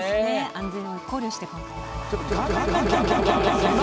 安全を考慮して。